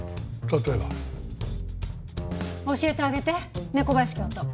例えば？教えてあげて猫林教頭。